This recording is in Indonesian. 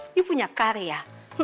ibu punya karya